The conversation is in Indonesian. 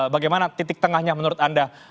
bagaimana titik tengahnya menurut anda